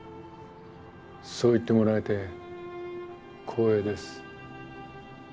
そう言ってもらえて光栄です。